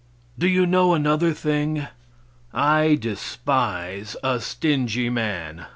Do you know another thing? I despise a stingy man.